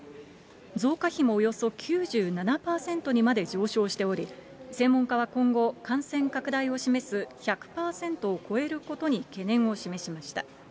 増加比もおよそ９７％にまで上昇しており、専門家は今後、感染拡大を示す１００％を超えることに懸念を示しました。